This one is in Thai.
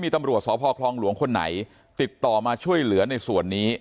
ตำรวจสพคลองหลวงคนไหนติดต่อมาช่วยเหลือในส่วนนี้